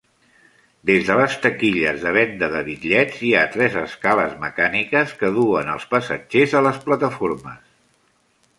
Des de les taquilles de venda de bitllets, hi ha tres escales mecàniques que duen els passatgers a les plataformes.